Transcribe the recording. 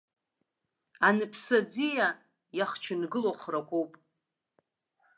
Анԥсы аӡиа иахчынгылоу храқәоуп.